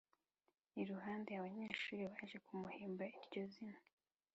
i ruhande abanyeshuri baje kumuhimba iryo zina,